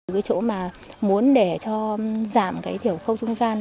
cái chỗ mà muốn để cho giảm cái thiểu khâu trung gian